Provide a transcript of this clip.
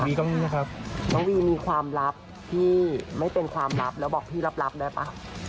ก็มีนะครับน้องวีมีความลับที่ไม่เป็นความลับแล้วบอกพี่รับได้ป่ะ